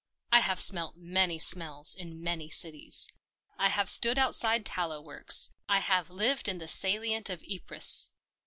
I have smelt many smells in many cities : I have stood outside tallow works. I have lived in the salient of Ypres.